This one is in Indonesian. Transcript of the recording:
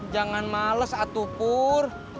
jangan males atu pur